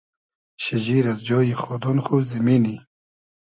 شیجیر از جۉی خۉدۉن خو , زیمینی